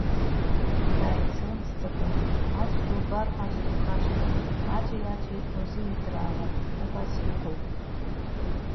Дааицрымҵӡакәа, аӡә дубар аӡә духашҭуа, аӡәи аӡәи узеиҩдыраауам, убас иҟоуп.